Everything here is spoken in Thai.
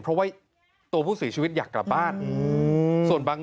เพราะว่าตัวผู้ศรีชีวิตอยากกลับบ้าน